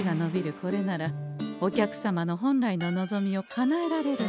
これならお客様の本来の望みをかなえられるはず。